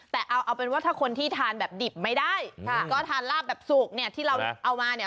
แต่เอาเป็นว่าถ้าคนที่ทานแบบดิบไม่ได้ค่ะก็ทานลาบแบบสุกเนี่ยที่เราเอามาเนี่ย